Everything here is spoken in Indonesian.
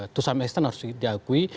tusan ekstern harus diakui